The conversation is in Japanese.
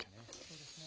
そうですね。